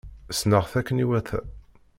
Sneɣ-t akken iwata.